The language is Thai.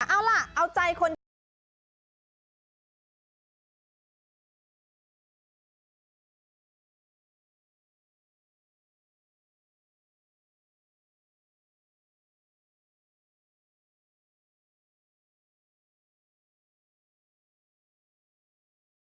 เอาล่ะเอาใจคนเดียวกัน